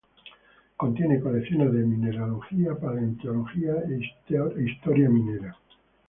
Contiene colecciones de mineralogía, paleontología e historia minera.